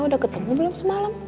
udah ketemu belum semalam